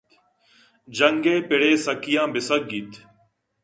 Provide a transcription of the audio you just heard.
جنگ ءِ پڑ ءِ سکیّاں بہ سگّیت